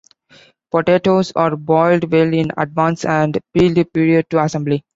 Potatoes are boiled well in advance, and peeled prior to assembly.